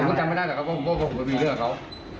ผมก็จำไม่ได้แหละครับว่าผมโปรดภูมิด้วยกับเขา